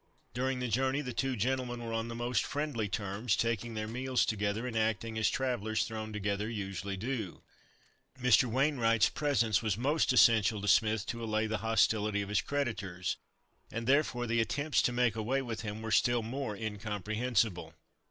During the journey the two gentlemen were on the most friendly terms, taking their meals together and acting as travellers thrown together usually do. Mr. Wainwright's presence was most essential to Smith to allay the hostility of his creditors, and therefore, the attempts to make away with him were still more incomprehensible.